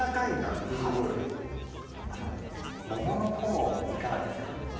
普通のとこよりあの桃の方いかがですか？